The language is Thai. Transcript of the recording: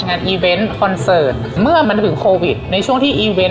อีเวนต์คอนเสิร์ตเมื่อมันถึงโควิดในช่วงที่อีเวนต์